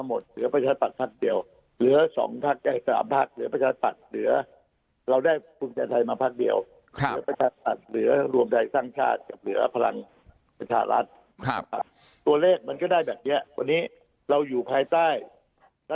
เหลือ๘พักแล้วก็มาอยู่ด้วยกันกันแล้ว๕พัก